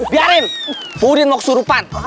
biarin pudin mau kesurupan